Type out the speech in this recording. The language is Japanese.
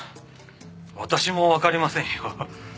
私もわかりませんよ。